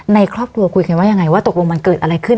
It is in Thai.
ในครอบครัวคุยกันว่ายังไงว่าตกลงมันเกิดอะไรขึ้น